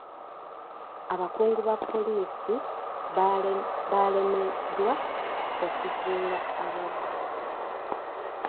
Abakungu ba poliisi baalemeddwa okuzuula ababbi.